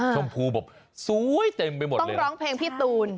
ชมพูแบบสวยเต็มไปหมดเลยต้องร้องเพลงพี่ตูน